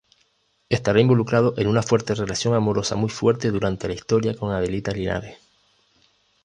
Estará involucrado en una relación amorosa muy fuerte durante la historia con Adelita Linares.